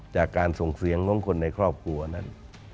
จากการส่งเสียงของคนในครอบครัวนั้น